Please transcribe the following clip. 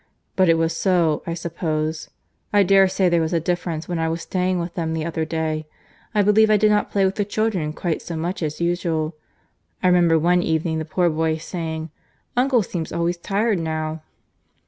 —But it was so, I suppose. I dare say there was a difference when I was staying with them the other day. I believe I did not play with the children quite so much as usual. I remember one evening the poor boys saying, 'Uncle seems always tired now.